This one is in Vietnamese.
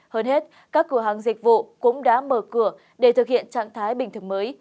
hơn hết các cửa hàng dịch vụ cũng đã mở cửa để thực hiện trạng thái bình thường mới